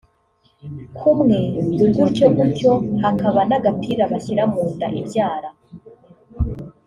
kumwe gutyo gutyo hakaba n’agapira bashyira mu nda ibyara